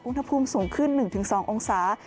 อุณหภูมิสูงขึ้น๑๒องศา